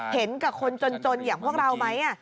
เห็นกับคนจนอย่างพวกเราไหม